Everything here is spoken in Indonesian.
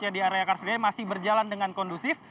di area car free day masih berjalan dengan kondusif